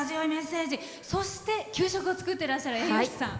そして、給食を作っていらっしゃる栄養士さん。